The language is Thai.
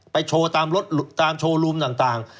โชว์ตามรถตามโชว์รูมต่าง